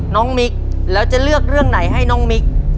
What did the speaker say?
มิกแล้วจะเลือกเรื่องไหนให้น้องมิก